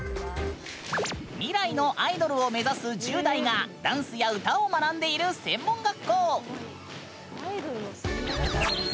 未来のアイドルを目指す１０代がダンスや歌を学んでいる専門学校。